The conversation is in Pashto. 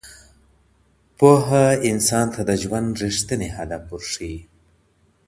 پوهه انسان ته د ژوند رښتینی هدف ورښيي.